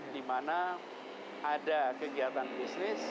dimana ada kegiatan bisnis